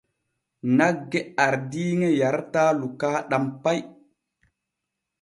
Nagge ardiiŋe yarataa lukaaɗam pay.